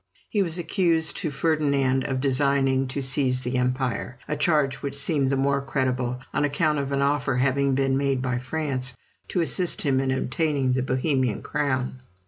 He was accused to Ferdinand of designing to seize the Empire, a charge which seemed the more credible, on account of an offer having been made by France to assist him in obtaining the Bohemian crown.